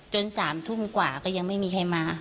๓ทุ่มกว่าก็ยังไม่มีใครมา